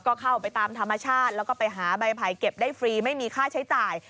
ก็เข้าไปตามธรรมชาติแล้วก็ไปหาใบไผ่เก็บได้ฟรีไม่มีค่าใช้จ่าย